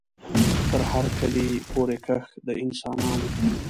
تر هر کلي پوري کښ د انسانانو